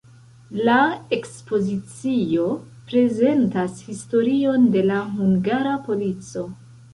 La ekspozicio prezentas historion de la hungara polico.